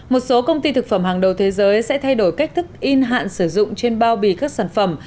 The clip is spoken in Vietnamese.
một số công ty thực phẩm hàng đầu thế giới sẽ thay đổi cách thức in hạn sử dụng trên bao bì các sản phẩm